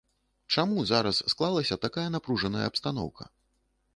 Чаму зараз склалася такая напружаная абстаноўка?